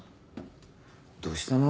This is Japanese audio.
どうしたの？